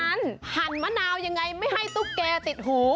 หั่นมะนาวยังไงไม่ให้ตุ๊กแกติดหู